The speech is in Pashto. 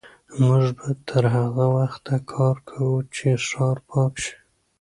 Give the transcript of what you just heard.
موږ به تر هغه وخته کار کوو چې ښار پاک شي.